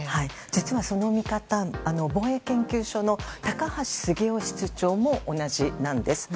実はその見方は防衛研究所の高橋杉雄室長も同じなんです。